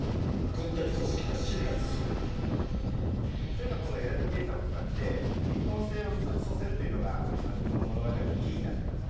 とにかくこのエラディケイターを使ってクリプトン星を復活させるというのがこの物語のキーになってきます。